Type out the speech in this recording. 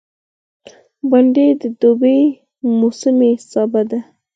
بېنډۍ د دوبي موسمي سابه دی